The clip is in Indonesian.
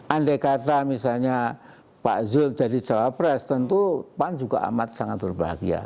andai kata misalnya pak zul jadi capres tentu pak zul juga amat sangat berbahagia